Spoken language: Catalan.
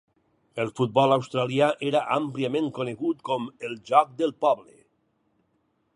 El futbol australià era àmpliament conegut com "el joc del poble".